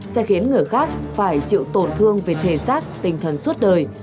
sẽ khiến người khác phải chịu tổn thương về thể xác tinh thần suốt đời